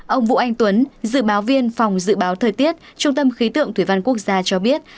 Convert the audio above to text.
ông vũ anh tuấn dự báo viên phòng dự báo thời tiết trung tâm khí tượng thủy văn quốc gia cho biết